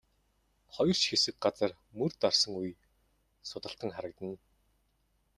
Хоёр ч хэсэг газар мөр дарсан үе судалтан харагдана.